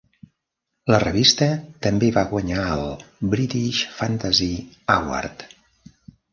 La revista també va guanyar el "British Fantasy Award".